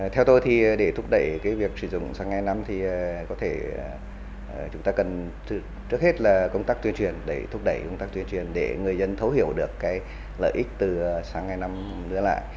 theo tôi thì để thúc đẩy cái việc sử dụng xăng e năm thì có thể chúng ta cần trước hết là công tác tuyên truyền để thúc đẩy công tác tuyên truyền để người dân thấu hiểu được lợi ích từ sáng ngày năm đưa lại